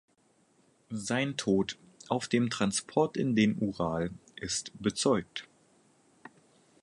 Sein Tod auf dem Transport in den Ural ist bezeugt.